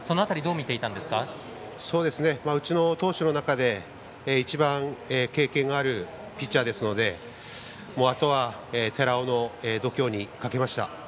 うちの投手の中で一番経験があるピッチャーですのであとは寺尾の度胸にかけました。